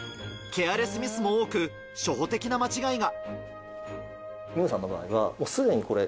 ケアレスミスも多く、初歩的な間違いが。